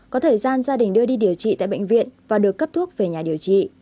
có thời gian gia đình đưa đi điều trị tại bệnh viện và được cấp thuốc về nhà điều trị